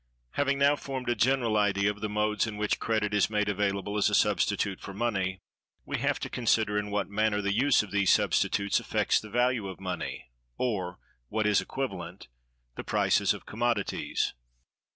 Having now formed a general idea of the modes in which credit is made available as a substitute for money, we have to consider in what manner the use of these substitutes affects the value of money, or, what is equivalent, the prices of commodities.